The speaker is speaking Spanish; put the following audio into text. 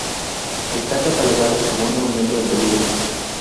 Está catalogado como un monumento en peligro.